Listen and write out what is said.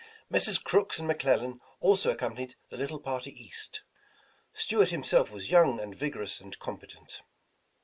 Messrs. Crooks and Mc Lellan also accompanied the little party east. Stuart himself was young and vigorous and competent.